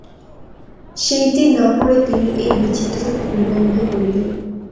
সেইটি না পড়ে তিনি এই বিচিত্র নিবন্ধ পড়লেন।